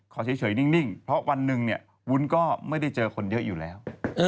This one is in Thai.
เฉยนิ่งเพราะวันหนึ่งเนี่ยวุ้นก็ไม่ได้เจอคนเยอะอยู่แล้ว